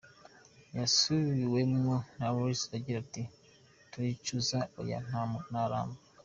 Yasubiwemwo na Reuters agira ati:"Turicuza? oya, nta namba.